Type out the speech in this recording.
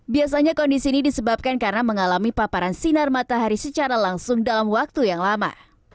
biasanya kondisi ini disebabkan karena mengalami paparan sinar matahari secara langsung dalam waktu yang lama